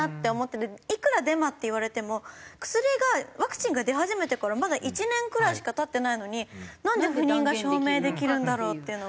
いくらデマっていわれても薬がワクチンが出始めてからまだ１年くらいしか経ってないのになんで不妊が証明できるんだろうっていうのが。